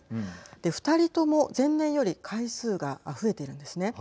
２人とも前年より回数が増えているんですね。